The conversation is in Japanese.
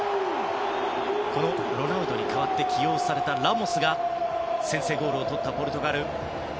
このロナウドに代わって起用されたラモスが先制ゴールを取ったポルトガル。